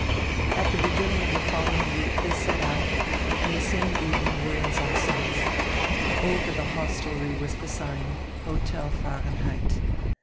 At die beginning of die following week they set out and the same evening were in Sassnitz. Over the hostelry was the sign, "Hotel Fahrenheit."